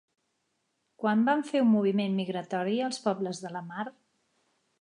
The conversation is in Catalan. Quan van fer un moviment migratori els pobles de la mar?